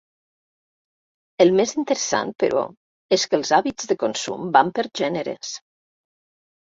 El més interessant, però, és que els hàbits de consum van per gèneres.